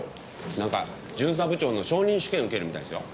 なんか巡査部長の昇任試験受けるみたいですよ。